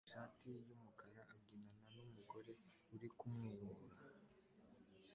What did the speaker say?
Umugabo wambaye ishati yumukara abyinana numugore urimo kumwenyura